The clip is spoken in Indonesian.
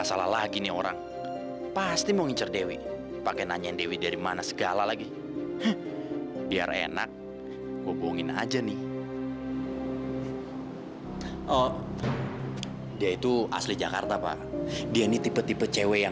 sampai jumpa di video selanjutnya